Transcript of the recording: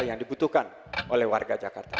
yang dibutuhkan oleh warga jakarta